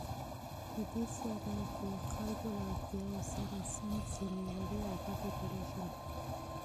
په دې سره د خلكو له اړتياوو سره سم ځينې وړې او غټې پروژې